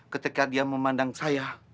ketika dia memandang saya